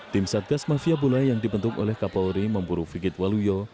tim satgas mafia bola yang dibentuk oleh kapolri memburu figit waluyo